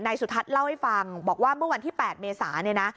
สุทัศน์เล่าให้ฟังบอกว่าเมื่อวันที่๘เมษาเนี่ยนะ